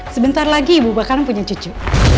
sebentar lagi ibu bakal punya cucu